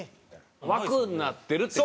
枠になってるって感じ？